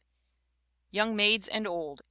Young Maids and Old, 1886.